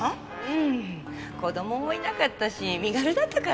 うん子供もいなかったし身軽だったから。